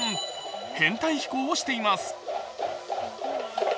編隊飛行をしています。